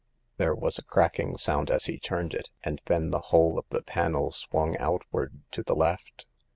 There was a cracking sound as he turned it, and then the whole of the panel swung outward to the left.